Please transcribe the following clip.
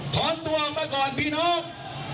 ถอนตัวออกมาก่อนพี่น้อง